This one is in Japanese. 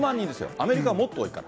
アメリカはもっと多いから。